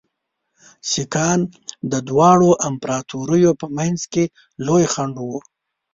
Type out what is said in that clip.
سیکهان د دواړو امپراطوریو په منځ کې لوی خنډ وو.